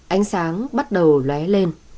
ánh sáng bắt đầu lé lên